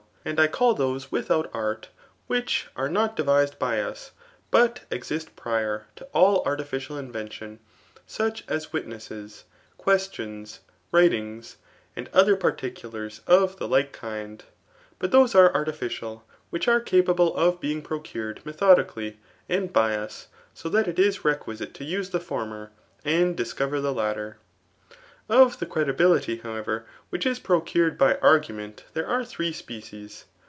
And I call those without art, which are not devi^ed by us, but exist prior [to all artificial inventi(m,3 such as witnesses, questions, writings, and other particu* lars of the like kind ; but those are artificial which are capable of being procured methodically, and by us ; so that it is requisite to use the former, and discover die latter. Of the credibility, however, \tfhich is procured by argument there are three species.